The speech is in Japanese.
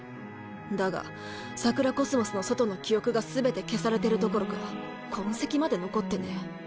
だが桜宇宙の外の記憶が全て消されてるどころか痕跡まで残ってねえ。